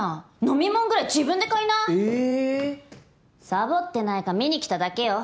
サボってないか見に来ただけよ。